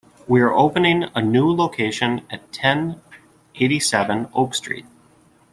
We are opening the a new location at ten eighty-seven Oak Street.